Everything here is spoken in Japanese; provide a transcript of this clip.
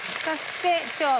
そして塩。